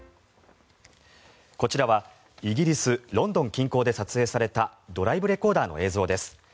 こちらはイギリス・ロンドン近郊で撮影されたドライブレコーダーの映像です。